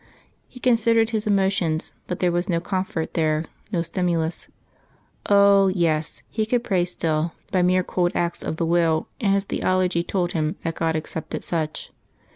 He considered his emotions, but there was no comfort there, no stimulus. Oh! yes; he could pray still, by mere cold acts of the will, and his theology told him that God accepted such.